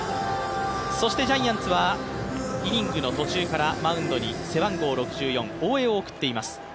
そしてジャイアンツはイニングの途中からマウンドに背番号６４、大江を送っています。